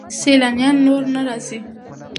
سیلانیان نور نه راځي.